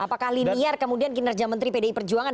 apakah linear kemudian kinerja menteri pdi perjuangan